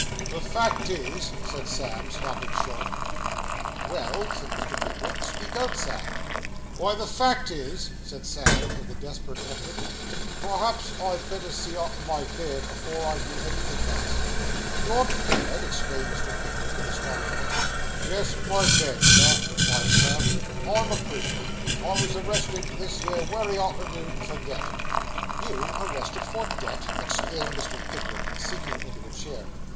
'The fact is ' said Sam, stopping short. 'Well!' said Mr. Pickwick. 'Speak out, Sam.' 'Why, the fact is,' said Sam, with a desperate effort, 'perhaps I'd better see arter my bed afore I do anythin' else.' 'Your bed!' exclaimed Mr. Pickwick, in astonishment. 'Yes, my bed, Sir,' replied Sam, 'I'm a prisoner. I was arrested this here wery arternoon for debt.' 'You arrested for debt!' exclaimed Mr. Pickwick, sinking into a chair.